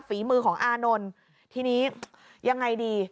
ฝีมือของอานนท์ทีนี้ยังไงดี